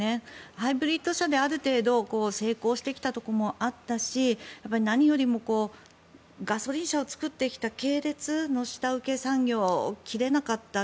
ハイブリッド車で、ある程度成功してきたところもあったし何よりもガソリン車を作ってきた系列の下請け産業を切れなかった。